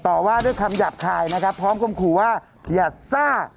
ต่อว่าด้วยคำหยาบคายนะครับพร้อมคมขู่ว่าอย่าซ่า